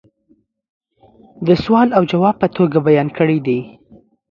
دسوال او جواب په توگه بیان کړي دي